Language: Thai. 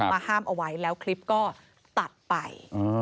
ห้ามเอาไว้แล้วคลิปก็ตัดไป